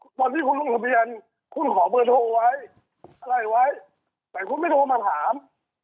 วันที่คุณลงทะเบียนคุณขอเบอร์โทรไว้อะไรไว้แต่คุณไม่โทรมาถาม